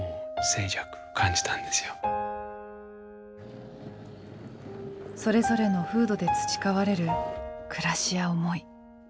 それぞれの風土で培われる暮らしや思い。